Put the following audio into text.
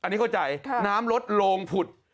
น้ำรดโลงผุด